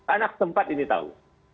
anak tempat ini tahu